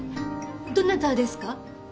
どなたですか？